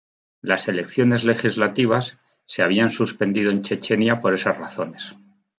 Las elecciones legislativas se habían suspendido en Chechenia por esas razones.